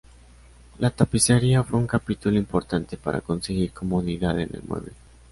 La tapicería fue un capítulo importante para conseguir comodidad en el mueble.